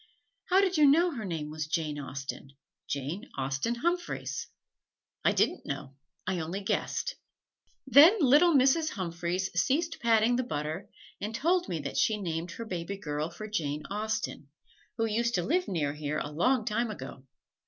"How did you know her name was Jane Austen Jane Austen Humphreys?" "I didn't know I only guessed." Then little Mrs. Humphreys ceased patting the butter and told me that she named her baby girl for Jane Austen, who used to live near here a long time ago.